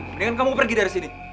mendingan kamu pergi dari sini